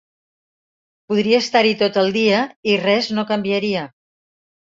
Podria estar-hi tot el dia i res no canviaria.